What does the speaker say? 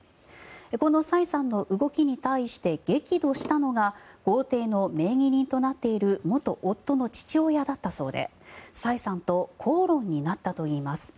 このサイさんの動きに対して激怒したのが豪邸の名義人となっている元夫の父親だったそうでサイさんと口論になったといいます。